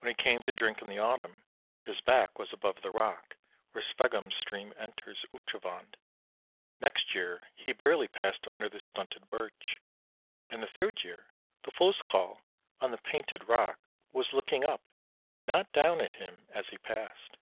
When he came to drink in the autumn, his back was above the rock where Sveggum's stream enters Utrovand. Next year he barely passed under the stunted birch, and the third year the Fossekal on the painted rock was looking up, not down, at him as he passed.